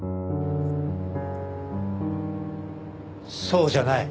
そうじゃない。